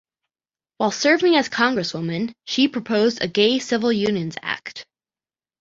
While serving as Congresswoman she proposed a gay civil unions act.